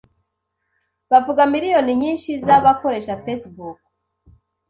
bavuga miliyoni nyinshi z'abakoresha Facebook